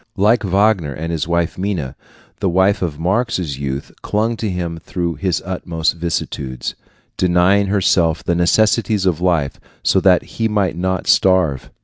Like Wagner and his Minna, the wife of Marx's youth clung to him through his utmost vicissitudes, denying herself the necessities of life so that he might not starve.